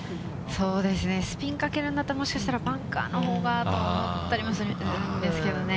そうですね、スピンかけるんだったら、もしかしたらバンカーのほうがと思ったりもするんですけどね。